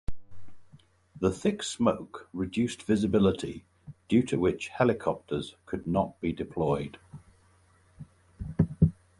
The thick smoke reduced visibility due to which helicopters could not be deployed.